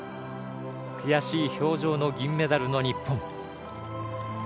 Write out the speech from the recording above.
悔しい表情の銀メダルの日本。